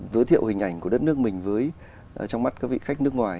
giới thiệu hình ảnh của đất nước mình với trong mắt các vị khách nước ngoài